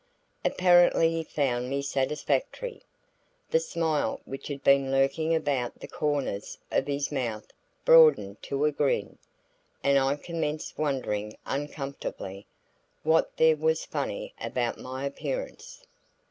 Apparently he found me satisfactory. The smile which had been lurking about the corners of his mouth broadened to a grin, and I commenced wondering uncomfortably what there was funny about my appearance.